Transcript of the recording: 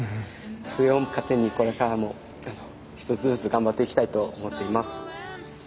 それを糧にこれからも一つずつ頑張っていきたいと思っています。